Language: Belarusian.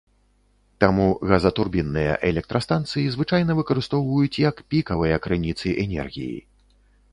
Таму газатурбінныя электрастанцыі звычайна выкарыстоўваюць як пікавыя крыніцы энергіі.